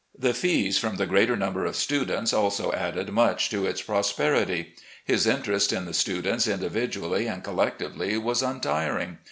The fees from the greater number of students also added much to its prosperity. His interest in the students indmdually and collectively was untiring.